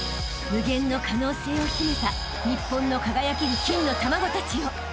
［無限の可能性を秘めた日本の輝ける金の卵たちよ］